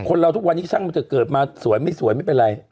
เราทุกวันนี้ช่างมันจะเกิดมาสวยไม่สวยไม่เป็นไร